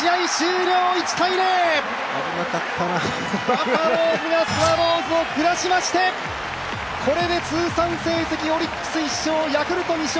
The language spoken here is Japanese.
バファローズがスワローズを下しましてこれで通算成績オリックス１勝ヤクルト２勝。